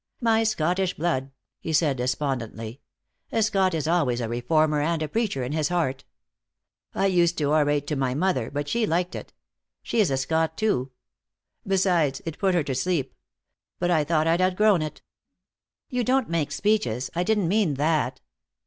"My Scottish blood," he said despondently. "A Scot is always a reformer and a preacher, in his heart. I used to orate to my mother, but she liked it. She is a Scot, too. Besides, it put her to sleep. But I thought I'd outgrown it." "You don't make speeches. I didn't mean that."